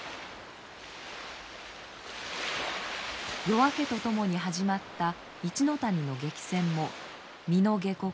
夜明けとともに始まった一ノ谷の激戦も巳の下刻